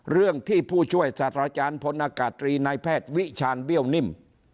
เรื่องที่ผู้ช่วยศาสตราจารย์พลอากาศตรีนายแพทย์วิชาณเบี้ยวนิ่ม